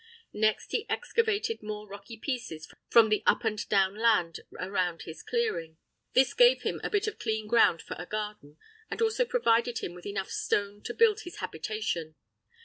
Next he excavated more rocky pieces from the up and down land around his clearing; this gave him a bit of clean ground for a garden, and also provided him with enough stone to build his habitation.